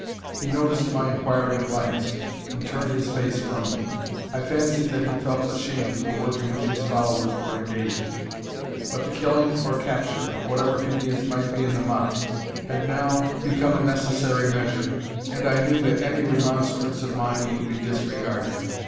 He noticed my inquiring glance, and turned his face from me. I fancied that he felt ashamed of the work in which his followers were engaged; but the killing, or capture, of whatever Indians might be in the motte had now become a necessary measure, and I knew that any remonstrance of mine would be disregarded.